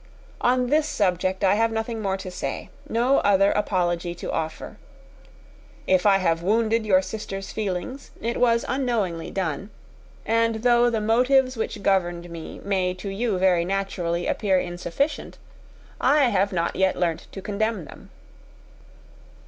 On this subject I have nothing more to say, no other apology to offer. If I have wounded your sister's feelings, it was unknowingly done; and though the motives which governed me may to you very naturally appear insufficient, I have not yet learnt to condemn them.